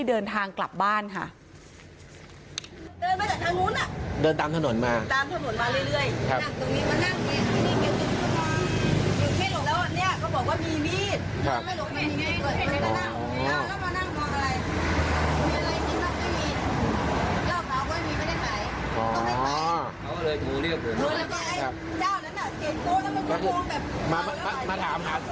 เดินตามถนนมาตามถนนมาเรื่อยเรื่อยครับตรงนี้มานั่งเกลียด